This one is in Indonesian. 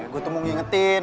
gue tuh mau ngingetin